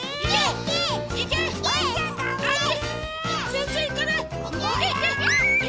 ぜんぜんいかない！